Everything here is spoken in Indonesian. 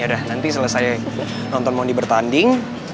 yaudah nanti selesai nonton mondi bertanding